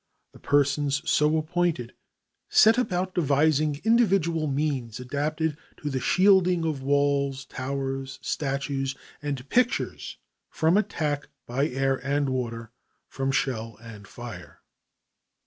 The persons so appointed set about devising individual means adapted to the shielding of walls, towers, statues and pictures from attack by air and water, from shell and fire.